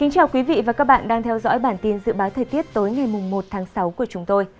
cảm ơn các bạn đã theo dõi và ủng hộ cho bản tin dự báo thời tiết tối ngày một tháng sáu của chúng tôi